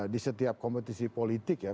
di setiap kompetisi politik ya